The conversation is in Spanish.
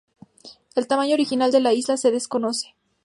El tamaño original de la isla se desconoce.